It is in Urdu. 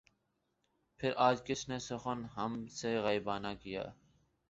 پھر آج کس نے سخن ہم سے غائبانہ کیا